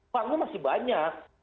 uangnya masih banyak